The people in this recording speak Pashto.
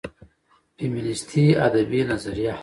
فيمينستى ادبى نظريه